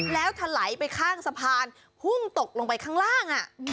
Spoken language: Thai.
แล้วถลายไปข้างสะพานพุ่งตกลงไปข้างล่าง